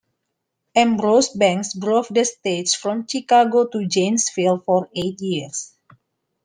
Ambrose Bangs drove the stage from Chicago to Janesville for eight years.